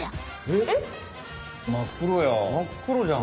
えっ？